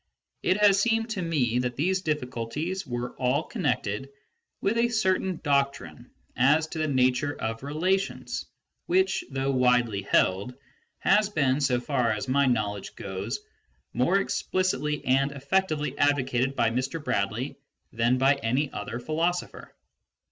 It has seemed to me that these difficulties were all connected with a certain doctrine as to the nature of relations which, though widely held, has been, so far as my knowledge goes, more explicitly and effectively advo cated by Mr. Bradley than by any other philosopher.